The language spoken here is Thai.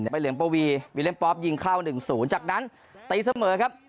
ไปเหลืองปวีวิเล็นด์ปอล์ฟยิงเข้าหนึ่งศูนย์จากนั้นตีเสมอครับ